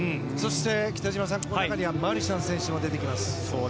北島さん、この中にはマルシャン選手も出てきます。